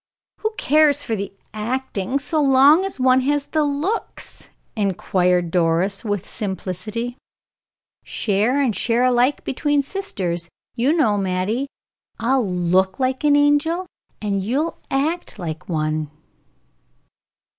"Who cares for the acting, so long as one has the looks?" inquired Doris, with simplicity. "Share and share alike between sisters, you know, Mattie. I'll look like an angel, and you'll act like one!"